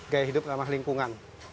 gaya hidup dan lingkungan